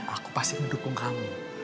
aku pasti mendukung kamu